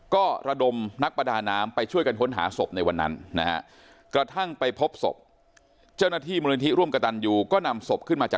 ก็ระดมนักบิดานามไปช่วยกันห้นหาศพในวันนั้นนะฮะ